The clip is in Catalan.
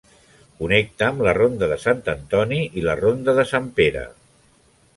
Connecta amb la ronda de Sant Antoni i la ronda de Sant Pere.